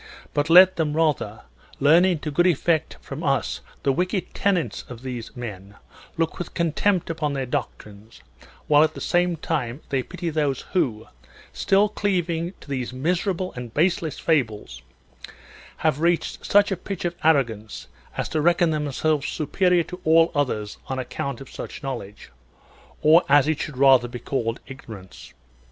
But let them rather, learning to good effect from us the wicked tenets of these men, look w^ith contempt upon their doctrines, wdiile at the same time they pity those who, still cleaving to these miserable and baseless fables, have reached such a pitch of arrogance as to reckon themselves superior to all others on account of such knowledge, or, as it should rather be called, ignorance.